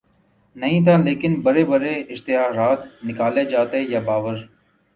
نہیں تھا لیکن بڑے بڑے اشتہارات نکالے جاتے یہ باور